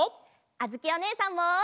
あづきおねえさんも！